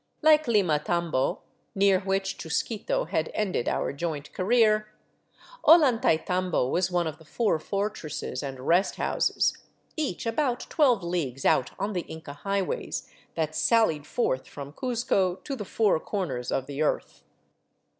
Like Limatambo, near which Chusquito had ended our joint career, Ollantaytambo was one of the four fortresses and rest houses, each about twelve leagues out on the Inca highways that sallied forth from 458 A FORGOTTEN CITY OF THE ANDES Cuzco to the " Four Corners of the Earth."